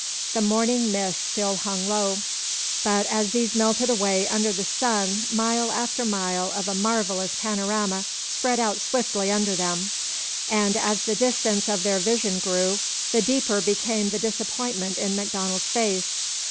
The morning mists still hung low, but as these melted away under the sun mile after mile of a marvellous panorama spread out swiftly under them, and as the distance of their vision grew, the deeper became the disappointment in MacDonald's face.